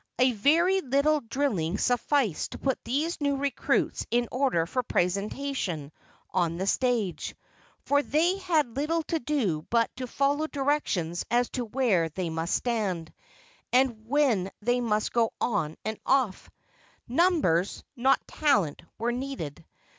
A very little drilling sufficed to put these new recruits in order for presentation on the stage, for they had little to do but to follow directions as to where they must stand, and when they must go on and off. Numbers, not talent, were needed.